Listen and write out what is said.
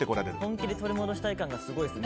本気で取り戻したい感がすごいです。